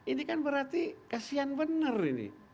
ini kan berarti kasihan benar ini